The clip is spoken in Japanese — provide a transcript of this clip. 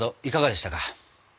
いかがでしたか？